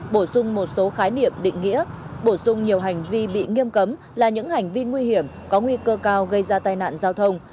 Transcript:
bổ sung một số khái niệm định nghĩa bổ sung nhiều hành vi bị nghiêm cấm là những hành vi nguy hiểm có nguy cơ cao gây ra tai nạn giao thông